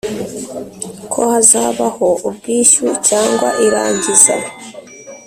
ko hazabaho ubwishyu cyangwa irangiza